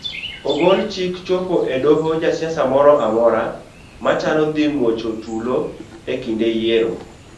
Ogol chik chopo e doho jasiasa moramora machano dhi muocho tulo e kinde yiero